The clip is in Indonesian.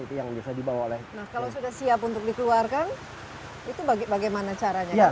nah kalau sudah siap untuk dikeluarkan itu bagaimana caranya